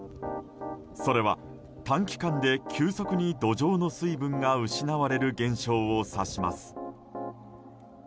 それは、短期間で急速に土壌の水分が失われる現象を指します。